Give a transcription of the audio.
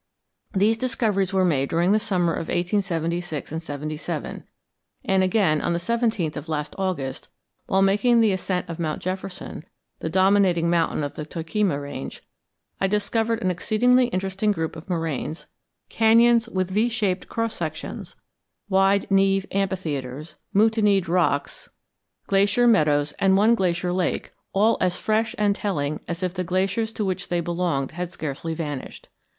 These discoveries were made during the summer of 1876 77. And again, on the 17th of last August, while making the ascent of Mount Jefferson, the dominating mountain of the Toquima range, I discovered an exceedingly interesting group of moraines, cañons with V shaped cross sections, wide neve amphitheatres, moutoneed rocks, glacier meadows, and one glacier lake, all as fresh and telling as if the glaciers to which they belonged had scarcely vanished.